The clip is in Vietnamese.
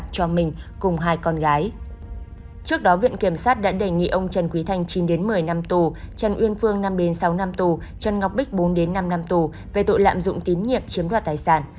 trước đó viện kiểm sát đã đề nghị ông trần quý thanh chín một mươi năm tù trần uyên phương năm sáu năm tù trần ngọc bích bốn năm năm tù về tội lạm dụng tín nhiệm chiếm đoạt tài sản